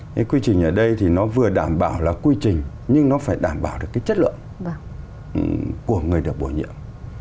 cái quy trình ở đây thì nó vừa đảm bảo là quy trình nhưng nó phải đảm bảo được cái chất lượng của người được bổ nhiệm